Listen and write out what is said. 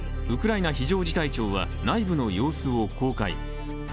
ウクライナ非常事態庁は内部の様子を公開。